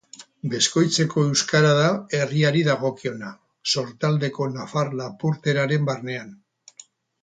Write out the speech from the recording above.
Beskoitzeko euskara da herriari dagokiona, Sortaldeko nafar-lapurteraren barnean.